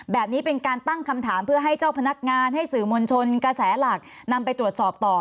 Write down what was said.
เป็นการตั้งคำถามเพื่อให้เจ้าพนักงานให้สื่อมวลชนกระแสหลักนำไปตรวจสอบต่อ